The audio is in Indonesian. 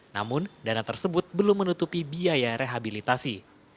namun dana tersebut belum menutupi biaya rehabilitasi